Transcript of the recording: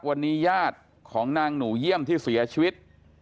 วันนี้ญาติของนางหนูเยี่ยมที่เสียชีวิต